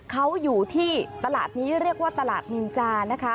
เขาอยู่ที่ตลาดนี้เรียกว่าตลาดนินจานะคะ